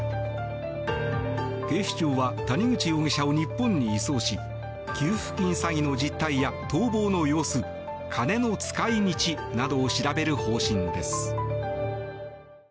警視庁は谷口容疑者を日本に移送し給付金詐欺の実態や逃亡の様子金の使い道などを調べる方針です。